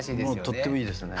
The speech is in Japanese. とってもいいですよね。